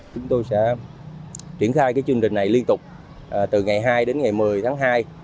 chúng tôi sẽ triển khai chương trình này liên tục từ ngày hai đến ngày một mươi tháng hai